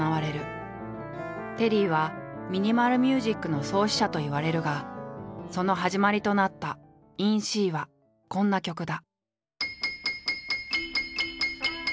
テリーはミニマル・ミュージックの創始者といわれるがその始まりとなった「ＩｎＣ」はこんな曲だ。